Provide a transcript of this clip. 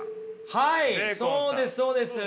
はいそうですそうです。